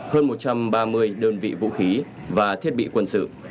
hơn một trăm ba mươi đơn vị vũ khí và thiết bị quân sự